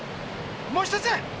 もう１つ！